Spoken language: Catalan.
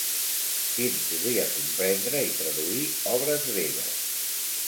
Quin podia comprendre i traduir obres gregues?